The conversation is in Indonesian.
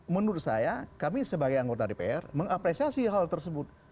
menurut saya kami sebagai anggota dpr mengapresiasi hal tersebut